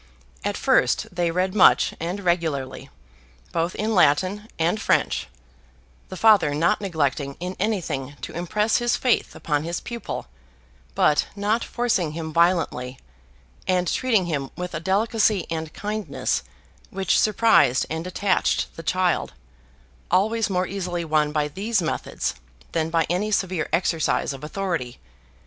At first they read much and regularly, both in Latin and French; the Father not neglecting in anything to impress his faith upon his pupil, but not forcing him violently, and treating him with a delicacy and kindness which surprised and attached the child, always more easily won by these methods than by any severe exercise of authority.